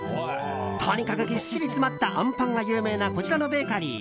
とにかくぎっしり詰まったあんぱんが有名なこちらのベーカリー。